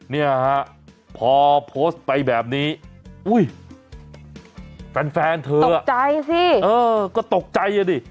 เนี่ยฮะพอโพสต์ไปแบบนี้อุ้ยแฟนเธอตกใจสิเออก็ตกใจอ่ะดิ